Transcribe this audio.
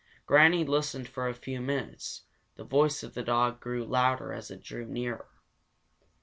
Granny listened for a few minutes. The voice of the dog grew louder as it drew nearer.